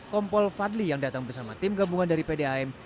kompol fadli yang datang bersama tim gabungan dari pdam